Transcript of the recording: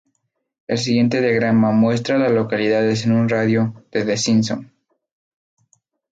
El siguiente diagrama muestra a las localidades en un radio de de Simpson.